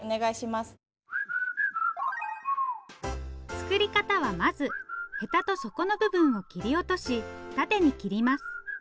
作り方はまずヘタと底の部分を切り落とし縦に切ります。